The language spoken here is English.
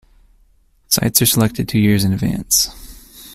Sites are selected two years in advance.